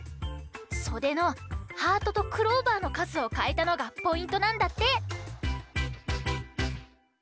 そでのハートとクローバーのかずをかえたのがポイントなんだって。